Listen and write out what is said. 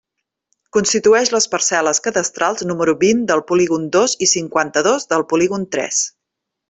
Constitueix les parcel·les cadastrals número vint del polígon dos i cinquanta-dos del polígon tres.